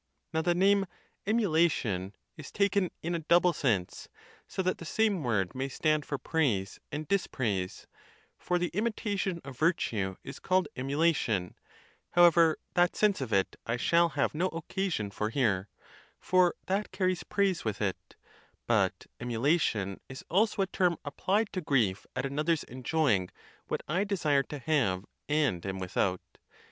Now the name "emulation" is taken in a double sense, so that the same word may stand for praise and dispraise: for the imitation of virtue is called emulation (however, that sense of it I shall have no occasion for here, for that carries praise with it); but emulation is also a term applied to grief at another's enjoying what I desired to have, and am without.